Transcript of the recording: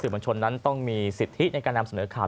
สือมวลชนนั้นต้องมีสิทธิในการทำสำเนินข่าว